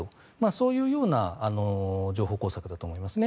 そういうような情報工作だと思いますね。